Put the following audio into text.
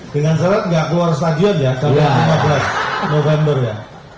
dengan syarat nggak keluar stadion ya tanggal lima belas november ya